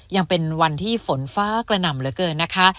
ยังเป็นวันที่ฝนฟ้ากระหน่ำเหลือเกินนะคะ